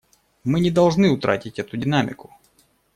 Мы не должны утратить эту динамику.